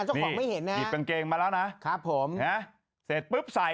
เจ้าของไม่เห็นนะหยิบกางเกงมาแล้วนะครับผมนะเสร็จปุ๊บใส่